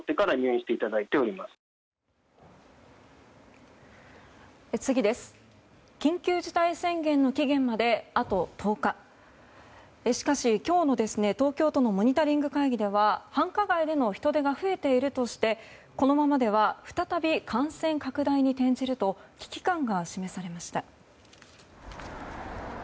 しかし、今日の東京都のモニタリング会議では繁華街での人出が増えているとしてこのままでは再び感染拡大に転じると危機感が示されました。